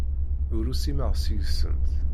Ur usimeɣ seg-sent.